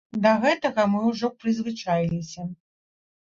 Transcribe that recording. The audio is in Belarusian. Да гэтага мы ўжо прызвычаіліся.